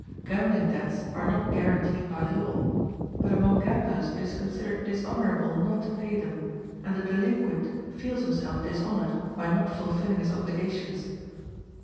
Gambling debts are not guaranteed by law; but among gamblers it is considered dishonorable not to pay them, and the delinquent feels himself dishonored by not fulfilling his obligations.